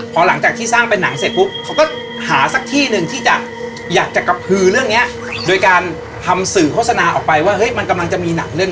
พอหลังจากที่สร้างเป็นหนังเสร็จปุ๊บเขาก็หาสักที่หนึ่งที่จะอยากจะกระพือเรื่องนี้โดยการทำสื่อโฆษณาออกไปว่าเฮ้ยมันกำลังจะมีหนังเรื่อง